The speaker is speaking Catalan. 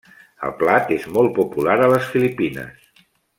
El plat és molt popular a les Filipines.